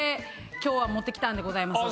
今日は持って来たんでございます。